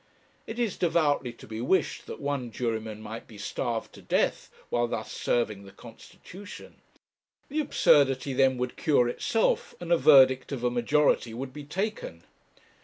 It is devoutly to be wished that one juryman might be starved to death while thus serving the constitution; the absurdity then would cure itself, and a verdict of a majority would be taken.